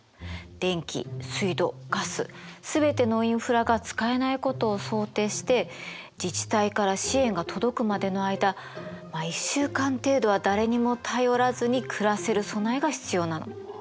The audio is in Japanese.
電気水道ガスすべてのインフラが使えないことを想定して自治体から支援が届くまでの間まあ１週間程度は誰にも頼らずに暮らせる備えが必要なの。